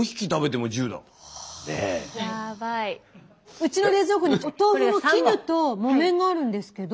うちの冷蔵庫にお豆腐の絹と木綿があるんですけど。